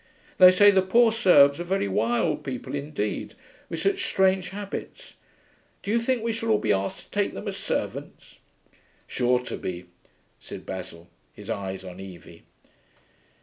They say the poor Serbs are very wild people indeed, with such strange habits. Do you think we shall all be asked to take them as servants?' 'Sure to be,' said Basil, his eyes on Evie.